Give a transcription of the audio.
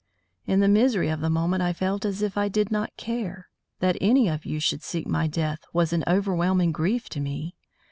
In the misery of the moment I felt as if I did not care. That any of you should seek my death was an overwhelming grief to me.